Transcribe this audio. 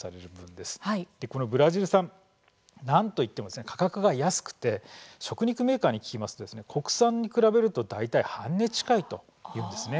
でこのブラジル産何と言ってもですね価格が安くて食肉メーカーに聞きますと国産に比べると大体半値近いというんですね。